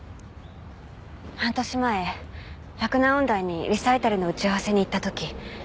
半年前洛南音大にリサイタルの打ち合わせに行った時。